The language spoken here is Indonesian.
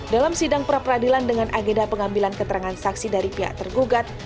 dalam sidang pra peradilan dengan agenda pengambilan keterangan saksi dari pihak tergugat